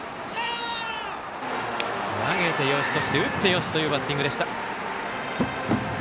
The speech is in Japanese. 投げてよし、打ってよしというバッティングでした。